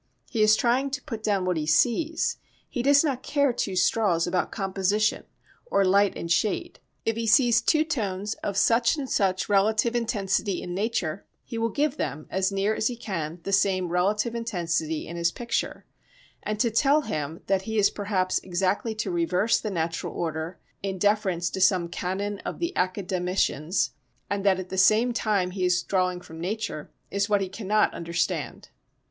He is trying to put down what he sees; he does not care two straws about composition or light and shade; if he sees two tones of such and such relative intensity in nature, he will give them as near as he can the same relative intensity in his picture, and to tell him that he is perhaps exactly to reverse the natural order in deference to some canon of the academicians, and that at the same time he is drawing from nature, is what he cannot understand.